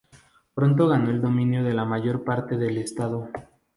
Pronto ganó el dominio de la mayor parte del estado.